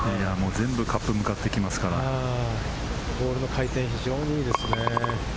全部カップに向かってきますから、ボールの回転が非常にいいですね。